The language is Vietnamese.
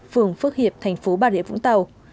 phường phước hiệp thành phố bà rịa vũng tàu